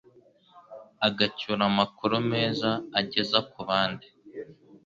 ugacyura amakuru meza ugeza ku bandi,